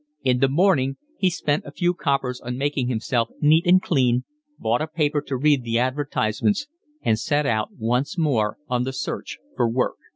In the morning he spent a few coppers on making himself neat and clean, bought a paper to read the advertisements, and set out once more on the search for work.